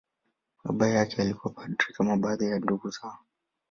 Baba yake alikuwa padri, kama baadhi ya ndugu zao.